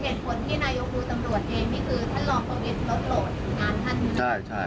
คือท่านลอกเกิดเหลักโหลดงานท่าน